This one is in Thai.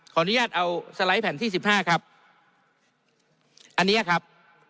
อนุญาตเอาสไลด์แผ่นที่สิบห้าครับอันเนี้ยครับ